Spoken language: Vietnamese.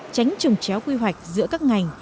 tránh trùng chéo quy hoạch giữa các ngành